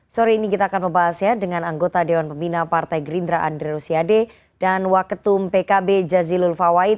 sore ini kita akan membahas dengan anggota dewan pembina partai gerindra andri rosiade dan waketum pkb jazil ulfawait